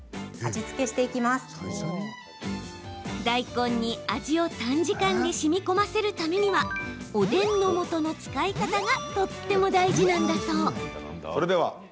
大根に味を短時間でしみこませるためにはおでんのもとの使い方がとっても大事なんだそう。